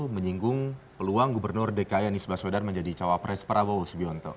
menyinggung peluang gubernur dki anies baswedan menjadi cawapres prabowo subianto